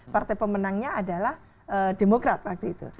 partai pemenangnya adalah demokrat waktu itu